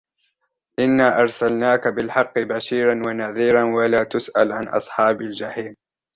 إِنَّا أَرْسَلْنَاكَ بِالْحَقِّ بَشِيرًا وَنَذِيرًا وَلَا تُسْأَلُ عَنْ أَصْحَابِ الْجَحِيمِ